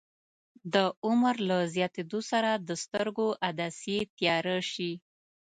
د عمر له زیاتیدو سره د سترګو عدسیې تیاره شي.